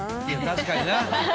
確かにな。